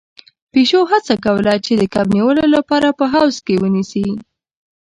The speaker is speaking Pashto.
پيشو هڅه کوله چې د کب نيولو لپاره په حوض کې ونيسي.